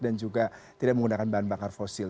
juga tidak menggunakan bahan bakar fosil